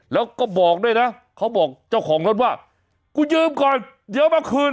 แล้วก็บอกด้วยนะเขาบอกเจ้าของรถว่ากูยืมก่อนเดี๋ยวมาคืน